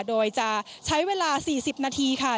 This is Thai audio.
โดยจะใช้เวลา๔๐นาทีค่ะ